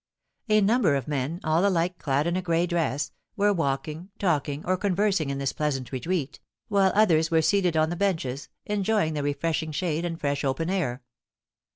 A number of men, all alike clad in a gray dress, were walking, talking, or conversing in this pleasant retreat, while others were seated on the benches, enjoying the refreshing shade and fresh open air.